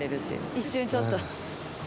一瞬ちょっと。